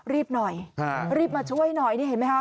รีบหน่อยรีบมาช่วยหน่อย